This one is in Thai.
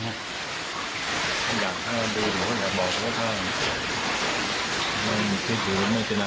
มันอยากท่าดูอยากบอกว่าถ้ามันคิดอยู่มันไม่เป็นอะไร